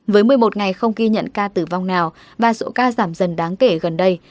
với một mươi một ngày không ghi nhận ca tử vong nào và số ca giảm dần đáng kể gần đây